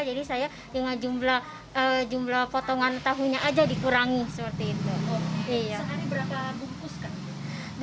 jadi saya dengan jumlah potongan tahunya aja dikurangi seperti itu